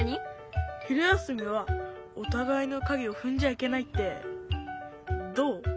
昼休みはおたがいのかげをふんじゃいけないってどう？